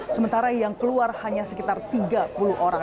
sementara yang keluar hanya sekitar tiga puluh orang